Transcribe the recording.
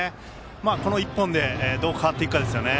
今の一本でどう変わっていくかですよね。